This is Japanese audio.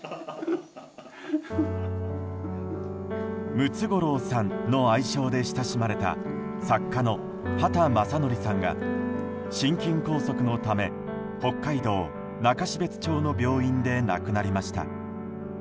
ムツゴロウさんの愛称で親しまれた作家の畑正憲さんが心筋梗塞のため北海道中標津町の病院で亡くなりました。